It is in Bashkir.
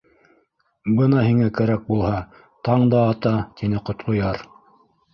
— Бына һиңә кәрәк булһа, таң да ата, — тине Ҡотлояр.